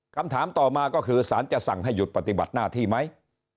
คำถามต่อมาก็คือสารจะสั่งให้หยุดปฏิบัติหน้าที่ไหม